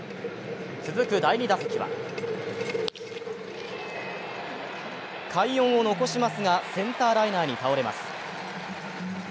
続く第２打席は快音を残しますがセンターライナーに倒れます。